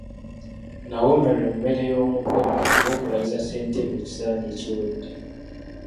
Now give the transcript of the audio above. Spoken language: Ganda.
Nawoomerwa emmere y’omukolo gw’okulayiza ssentebe ekisanja ekiwedde.